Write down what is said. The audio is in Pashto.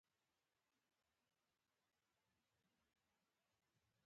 نجونې به تر هغه وخته پورې په ازموینو کې کامیابیږي.